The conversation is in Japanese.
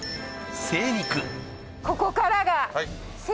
ここからが。